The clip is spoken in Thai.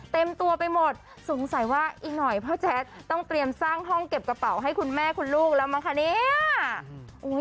เต็มตัวไปหมดสงสัยว่าอีกหน่อยพ่อแจ๊ดต้องเตรียมสร้างห้องเก็บกระเป๋าให้คุณแม่คุณลูกแล้วมั้งคะเนี่ย